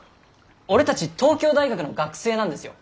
俺たち東京大学の学生なんですよ！